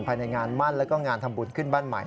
ภายในงานมั่นแล้วก็งานทำบุญขึ้นบ้านใหม่